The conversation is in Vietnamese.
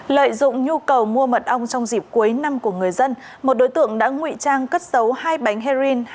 lợi dụng nhu cầu mua mật ong trong dịp cuối năm của người dân một đối tượng đã ngụy trang cất dấu hai bánh heroin